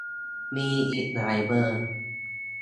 มีอีกหลายเบอร์